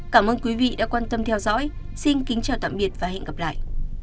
cảm ơn quý vị đã quan tâm theo dõi xin kính chào tạm biệt và hẹn gặp lại